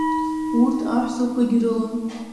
Урҭ аҳәсақәагьы рылан.